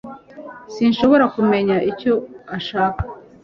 Sinshobora kumenya icyo ashaka